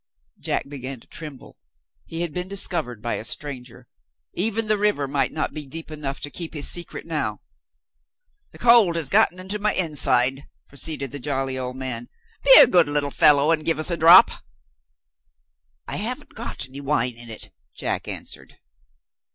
Jack began to tremble. He had been discovered by a stranger. Even the river might not be deep enough to keep his secret now! "The cold has got into my inside," proceeded the jolly old man. "Be a good little fellow and give us a drop!" "I haven't got any wine in it," Jack answered.